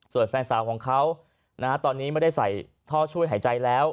ส่วนแฟนสาวของเขาตอนนี้ไม่ได้ใส่ท่อช่วยหายใจแล้ว